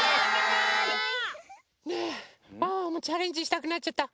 ねえワンワンもチャレンジしたくなっちゃった。